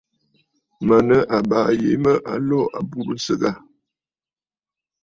Mə̀ nɨ àbaa yìi mə a lo a aburə nsɨgə aà.